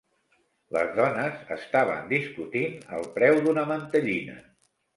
Les dones estaven discutint el preu d'una mantellina.